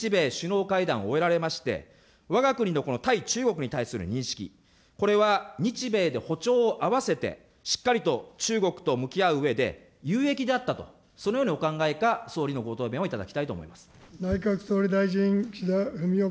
そこで岸田総理にお尋ねしますが、先日、日米首脳会談を終えられまして、わが国のこの対中国に対する認識、これは日米で歩調を合わせて、しっかりと中国と向き合ううえで、有益であったと、そのようにお考えか、総理のご答弁をいただきたいと思います。